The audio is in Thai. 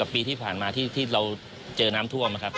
ปีที่ผ่านมาที่เราเจอน้ำท่วมนะครับ